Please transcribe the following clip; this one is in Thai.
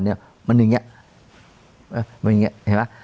มันอย่างเงี้ยเห็นป่ะ